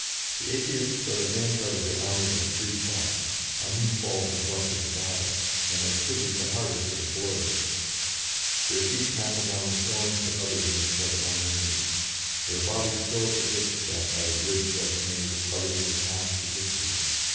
The Atheists are the vanguard of the army of Freethought, on whom falls the brunt of the battle, and are shivered the hardest of the blows; their feet trample down the thorns that others may tread unwounded; their bodies fill up the ditch that, by the bridge thus made, others may pass to victory.